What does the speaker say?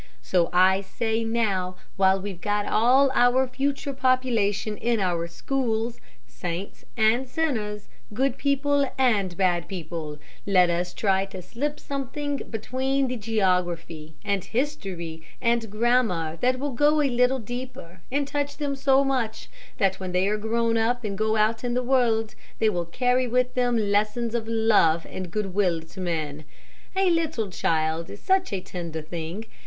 So I say now, while we've got all our future population in our schools, saints and sinners, good people and bad people, let us try to slip in something between the geography, and history, and grammar that will go a little deeper, and touch them so much, that when they are grown up and go out in the world, they will carry with them lessons of love and good will to men. "A little child is such a tender thing.